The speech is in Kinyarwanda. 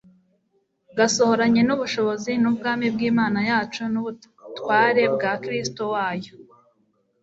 gasohoranye n'ubushobozi n'ubwami bw'Imana yacu n'ubutware bwa Kristo wayo.